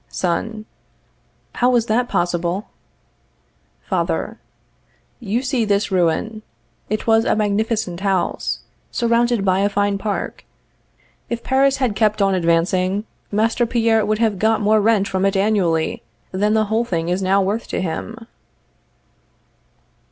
Son. How was that possible? Father. You see this ruin; it was a magnificent house, surrounded by a fine park. If Paris had kept on advancing, Master Pierre would have got more rent from it annually than the whole thing is now worth to him.